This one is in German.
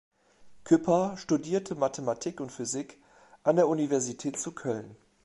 Küpper studierte Mathematik und Physik an der Universität zu Köln.